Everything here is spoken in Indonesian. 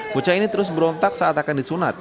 bocah ini terus berontak saat akan disunat